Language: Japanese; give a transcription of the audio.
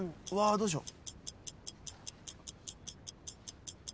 どうしよう。